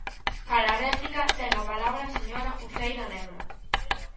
Para a réplica ten a palabra a señora Uceira Nebra.